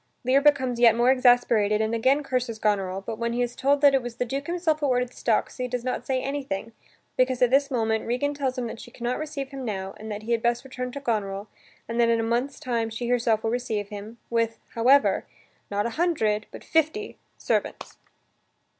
Lear becomes yet more exasperated and again curses Goneril, but when he is told that it was the Duke himself who ordered the stocks, he does not say anything, because, at this moment, Regan tells him that she can not receive him now and that he had best return to Goneril, and that in a month's time she herself will receive him, with, however, not a hundred but fifty servants.